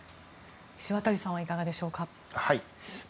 石渡さんはいかがでしょうか？